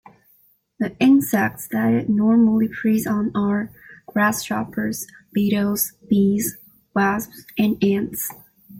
The insects that it normally preys on are: grasshoppers, beetles, bees, wasps and ants.